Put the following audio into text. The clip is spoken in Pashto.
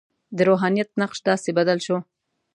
د روحانیت نقش داسې بدل شو.